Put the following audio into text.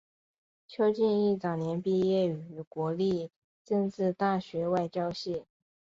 邱进益早年毕业于国立政治大学外交系。